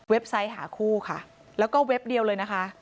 ไซต์หาคู่ค่ะแล้วก็เว็บเดียวเลยนะคะ